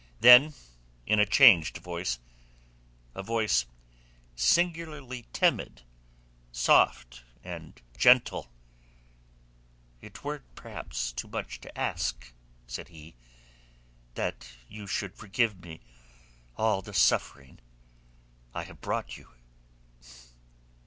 Then in a changed voice, a voice singularly timid, soft, and gentle, "it were perhaps too much to ask," said he, "that you should forgive me all the suffering I have brought you?"